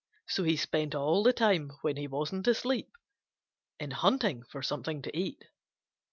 So he spent all the time when he wasn't sleeping in hunting for something to eat.